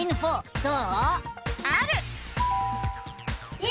どう？